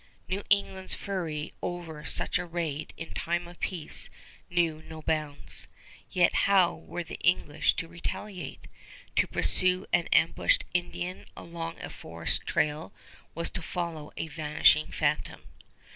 New England's fury over such a raid in time of peace knew no bounds. Yet how were the English to retaliate? To pursue an ambushed Indian along a forest trail was to follow a vanishing phantom.